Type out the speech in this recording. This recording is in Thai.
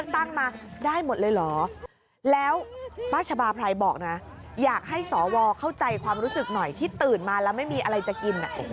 ทำให้ใครความรู้สึกหน่อยที่ตื่นมาแล้วไม่มีอะไรจะกิน